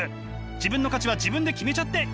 自分の価値は自分で決めちゃっていいんです！